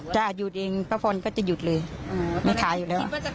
ถ้าหยุดเองป้าพรก็จะหยุดเลยไม่ขายอยู่แล้ว